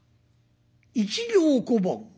「一両小判。